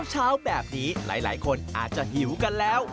เช้าแบบนี้หลายคนอาจจะหิวกันแล้ว